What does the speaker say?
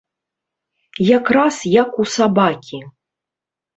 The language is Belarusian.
Якраз як у сабакі.